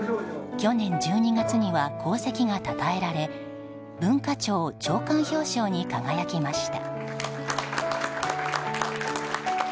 去年１２月には功績がたたえられ文化庁長官表彰に輝きました。